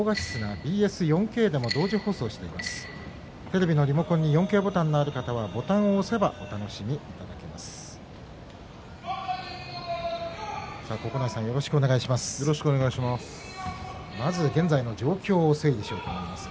テレビのリモコンに４Ｋボタンのある方はボタンを押せばお楽しみいただけます。